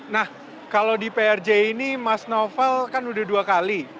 nah kalau di prj ini mas novel kan udah dua kali